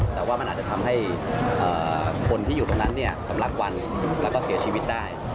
แต่ว่ามันอาจจะทำให้คนที่อยู่ตรงนั้นสำลักวันแล้วก็เสียชีวิตได้